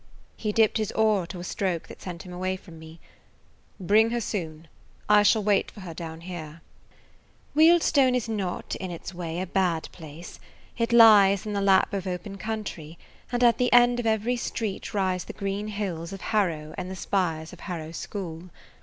He dipped his oar to a stroke that sent him away from me. "Bring her soon. I shall wait for her down here." Wealdstone is not, in its way, a bad place; it lies in the lap of open country, and at the end of every street rise the green hills of Harrow and the spires of Harrow School.